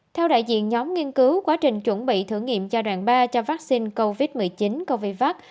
theo đại diện nhóm nghiên cứu quá trình chuẩn bị thử nghiệm giai đoạn ba cho vaccine covid một mươi chín covax